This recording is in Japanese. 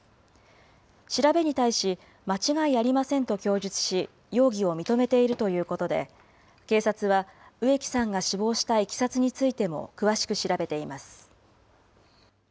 調べに対し、間違いありませんと供述し、容疑を認めているということで、警察は植木さんが死亡したいきさつについても詳しく調べています。